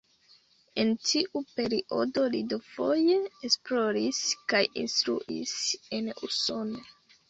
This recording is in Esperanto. En tiu periodo li dufoje esploris kaj instruis en Usono.